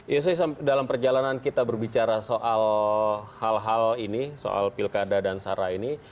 yose dalam perjalanan kita berbicara soal hal hal ini soal pilkada dan sara ini